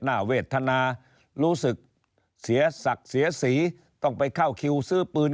เวทนารู้สึกเสียศักดิ์เสียสีต้องไปเข้าคิวซื้อปืน